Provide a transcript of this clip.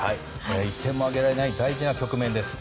１点もあげられない大事な局面です。